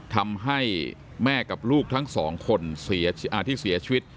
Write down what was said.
ทำให้แม่กับลูกทั้งสองคนที่เสียชีวิต